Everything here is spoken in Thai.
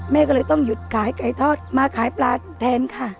แม่ก็เลยต้องหยุดขายไก่ทอดมาขายปลาแทนค่ะ